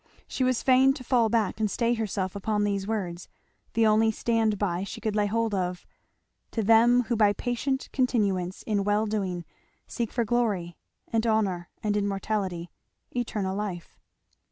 She was fain to fall back and stay herself upon these words, the only stand by she could lay hold of; "To them who by patient continuance in well doing seek for glory, and honour, and immortality, eternal life!"